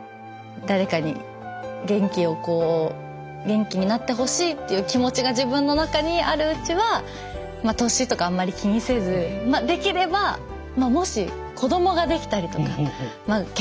誰かに「元気になってほしい」っていう気持ちが自分の中にあるうちは年とかあんまり気にせずできればもし子供ができたりとかまあ